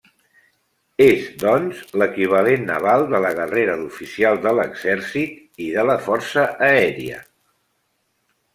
És, doncs, l'equivalent naval de la guerrera d'oficial de l'exèrcit i de la força aèria.